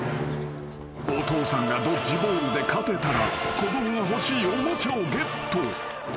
［お父さんがドッジボールで勝てたら子供が欲しいおもちゃをゲット］